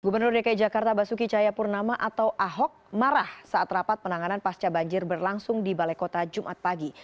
gubernur dki jakarta basuki cahayapurnama atau ahok marah saat rapat penanganan pasca banjir berlangsung di balai kota jumat pagi